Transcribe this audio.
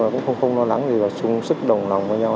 cũng không lo lắng chung sức đồng lòng với nhau